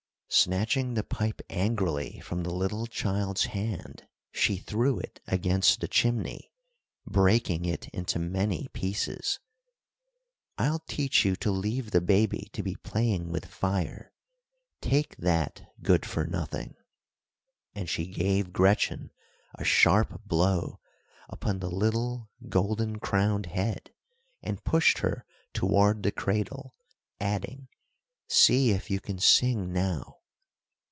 Snatching the pipe angrily from the little child's hand, she threw it against the chimney, breaking it into many pieces. "I'll teach you to leave the baby to be playing with fire. Take that, Good for Nothing." And she gave Gretchen a sharp blow upon the little golden crowned head, and pushed her toward the cradle, adding, "see if you can sing now!"